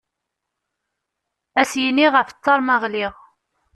Ad as-yini ɣef ttaṛ ma ɣliɣ.